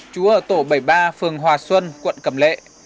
chú ở tổ bảy mươi ba phường hòa xuân quận cầm lệ